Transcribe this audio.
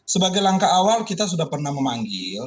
sebagai langkah awal kita sudah pernah memanggil